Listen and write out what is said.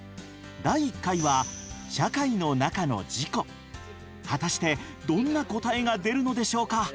第１回は果たしてどんな答えが出るのでしょうか？